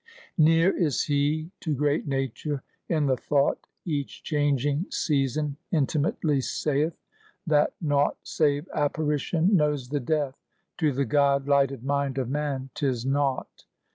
Near is he to great Nature in the thought Each changing Season intimately saith, That nought save apparition knows the death; To the God lighted mind of man 'tis nought.